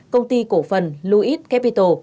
công ty cổ phần louis capital